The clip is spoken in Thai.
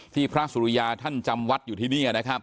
ที่พระสุริยท่านจำวัดอยู่ที่นี้